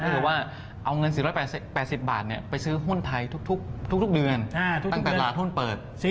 ก็คือว่าเอาเงิน๔๘๐บาทไปซื้อหุ้นไทยทุกเดือนตั้งแต่ตลาดหุ้นเปิด